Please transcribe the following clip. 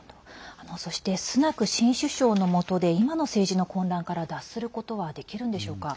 そして、スナク新首相のもとで今の政治の混乱から脱することはできるんでしょうか。